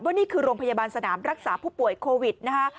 นี่คือโรงพยาบาลสนามรักษาผู้ป่วยโควิดนะคะ